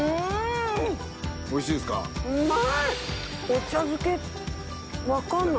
お茶漬けわかんない。